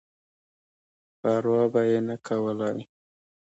پر وا به یې نه کولای.